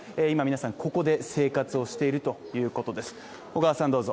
今皆さん、ここで生活をしているということです。